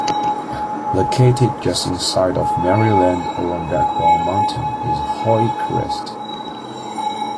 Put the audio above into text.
Located just inside of Maryland along Backbone Mountain is Hoye-Crest.